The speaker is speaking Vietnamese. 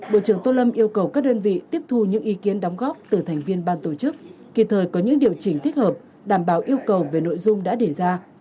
bộ trưởng tô lâm yêu cầu các đơn vị tiếp thu những ý kiến đóng góp từ thành viên ban tổ chức kỳ thời có những điều chỉnh thích hợp đảm bảo yêu cầu về nội dung đã đề ra